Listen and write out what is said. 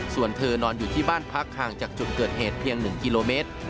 ส่วนเธอนอนอยู่ที่บ้านพักห่างจากจุดเกิดเหตุเพียง๑กิโลเมตร